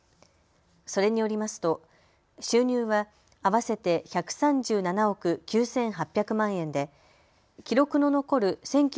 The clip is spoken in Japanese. それによりますと収入は合わせて１３７億９８００万円で記録の残る